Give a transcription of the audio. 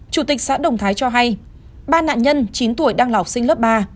chủ tịch xã đồng thái cho hay ba nạn nhân chín tuổi đang lọc sinh lớp ba